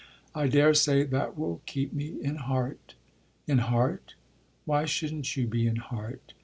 "I daresay that will keep me in heart." "In heart? Why shouldn't you be in heart?"